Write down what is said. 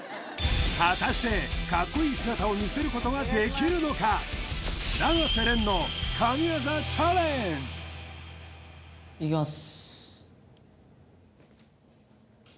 果たしてかっこいい姿を見せることができるのかいきます